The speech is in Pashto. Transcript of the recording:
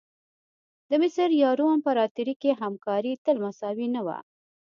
د مصر یا روم امپراتوري کې همکاري تل مساوي نه وه.